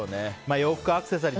洋服、アクセサリー。